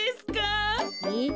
えっ？